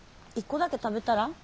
１個だけ食べたら？